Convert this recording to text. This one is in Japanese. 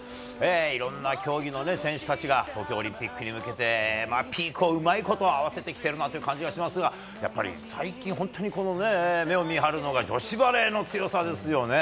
いろんな競技の選手たちが東京オリンピックに向けてピークをうまいこと合わせている感じがしますがやっぱり、最近本当に目を見張るのが女子バレーの強さですよね。